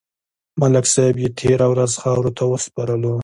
ملک صاحب یې تېره ورځ خاورو ته وسپارلو.